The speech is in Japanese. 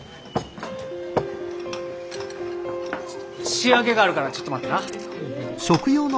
仕上げがあるからちょっと待ってな。